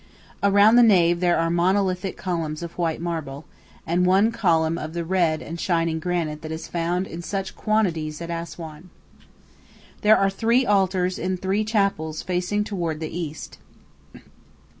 Around the nave there are monolithic columns of white marble, and one column of the red and shining granite that is found in such quantities at Assuan. There are three altars in three chapels facing toward the East.